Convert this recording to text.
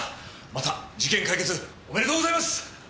また事件解決おめでとうございます！